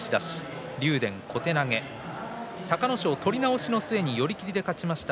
隆の勝、取り直しの相撲寄り切りで勝ちました。